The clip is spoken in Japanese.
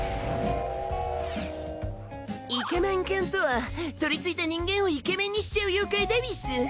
イケメン犬とはとりついた人間をイケメンにしちゃう妖怪でうぃす。